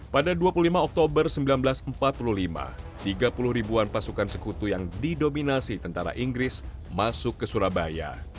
pada dua puluh lima oktober seribu sembilan ratus empat puluh lima tiga puluh ribuan pasukan sekutu yang didominasi tentara inggris masuk ke surabaya